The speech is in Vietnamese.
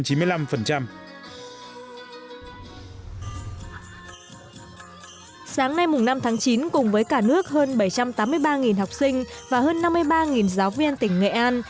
sáng nay năm tháng chín cùng với cả nước hơn bảy trăm tám mươi ba học sinh và hơn năm mươi ba giáo viên tỉnh nghệ an